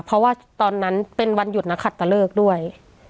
เพราะว่าตอนนั้นเป็นวันหยุดนักขัดตะเลิกด้วย